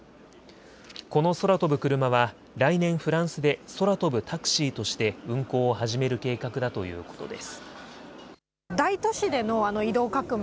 この空飛ぶクルマは来年フランスで空飛ぶタクシーとして運航を始める計画だということです。